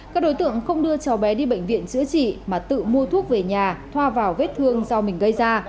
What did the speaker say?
các đối tượng không đưa cháu bé đi bệnh viện chữa trị mà tự mua thuốc về nhà thoa vào vết thương do mình gây ra